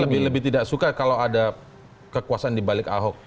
lebih lebih tidak suka kalau ada kekuasaan di balik ahok